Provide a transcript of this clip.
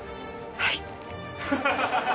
はい！